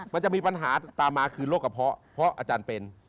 มันจะมีปัญหาตามมาคือโรคกระเพาะเพราะอาจารย์เป็น